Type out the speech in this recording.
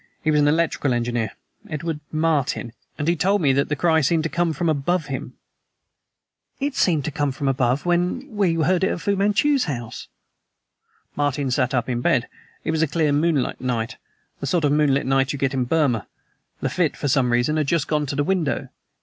He was an electrical engineer, Edward Martin, and he told me that the cry seemed to come from above him." "It seemed to come from above when we heard it at Fu Manchu's house." "Martin sat up in bed, it was a clear moonlight night the sort of moonlight you get in Burma. Lafitte, for some reason, had just gone to the window.